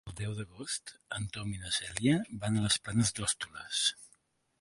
El deu d'agost en Tom i na Cèlia van a les Planes d'Hostoles.